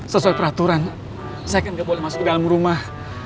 sesuai peraturan saya kan nggak boleh masuk ke dalam rumah